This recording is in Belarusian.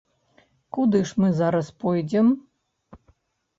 Куды ж мы зараз пойдзем?